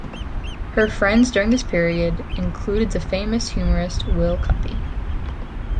Her friends during this period included the famous humorist Will Cuppy.